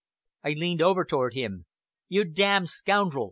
I leaned over toward him. "You d d scoundrel!"